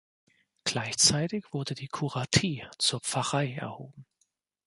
Gleichzeitig wurde die Kuratie zur Pfarrei erhoben.